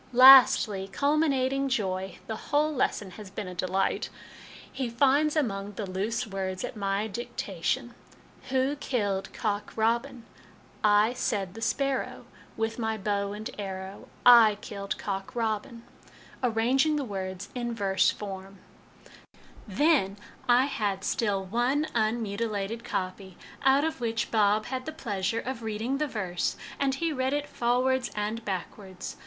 " Lastly, culminating joy (the whole lesson has been a delight !), he finds among the loose words, at my dictation, 'Who killed Cock Robin I said the sparrow With my bow and arrow I killed Cock Robin,' arranging the words in verse form. LESSONS AS INSTRUMENTS OF EDUCATION 21$ "Then I had still one unmutilated copy, out of which Bob had the pleasure of reading the verse, and he read it forwards and backwards.